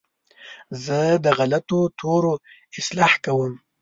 زه د غلطو تورو اصلاح کوم.